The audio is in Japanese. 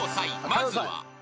まずは］